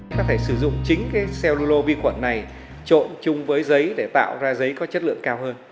các thầy sử dụng chính cái cellulose vi khuẩn này trộn chung với giấy để tạo ra giấy có chất lượng cao hơn